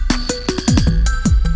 gak ada yang nungguin